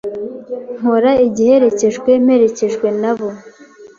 nkora igiherekejwe mperekejwe n ,abo’